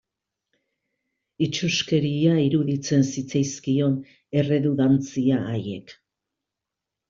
Itsuskeria iruditzen zitzaizkion erredundantzia haiek.